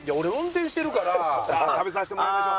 食べさせてもらいましょ。